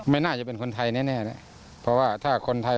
ไม่น่าจะเป็นคนไทยแน่แน่เพราะว่าถ้าคนไทย